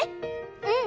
うん。